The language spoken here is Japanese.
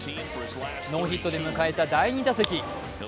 ノーヒットで迎えた第２打席。